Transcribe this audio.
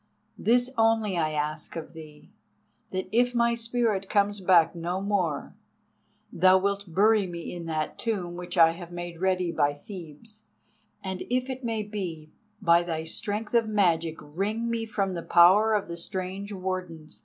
This only I ask of thee—that if my Spirit comes back no more, thou wilt bury me in that tomb which I have made ready by Thebes, and if it may be, by thy strength of magic wring me from the power of the strange Wardens.